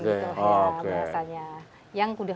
ya biasanya yang udah